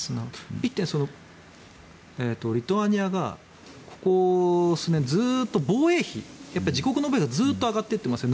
１点、リトアニアがここ数年、自国の防衛費がずっと上がっていってますね。